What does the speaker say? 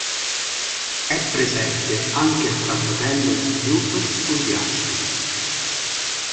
È presente anche il trattatello di Newton sugli acidi.